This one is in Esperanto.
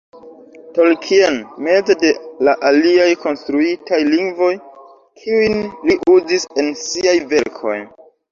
Tolkien meze de la aliaj konstruitaj lingvoj, kiujn li uzis en siaj verkoj.